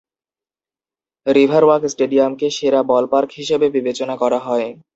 রিভারওয়াক স্টেডিয়ামকে সেরা বলপার্ক হিসেবে বিবেচনা করা হয়।